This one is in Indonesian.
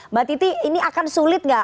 mbak titi ini akan sulit nggak